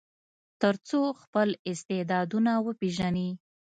تر څو خپل استعدادونه وپیژني.